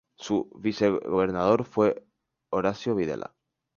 Su vicegobernador fue Horacio Videla.